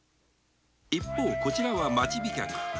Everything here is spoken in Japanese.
こちらは町飛脚。